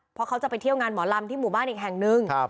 เพราะเขาจะไปเที่ยวงานหมอลำที่หมู่บ้านอีกแห่งหนึ่ง